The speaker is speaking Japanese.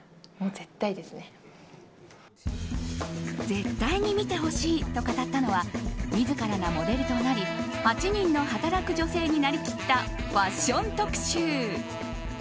絶対に見てほしいと語ったのは自らがモデルとなり８人の働く女性になりきったファッション特集。